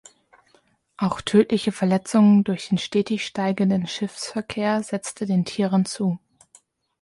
Auch tödliche Verletzungen durch den stetig steigenden Schiffsverkehr setzte den Tieren zu.